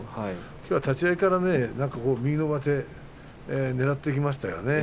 きょうは立ち合いから右の上手ねらっていきましたね。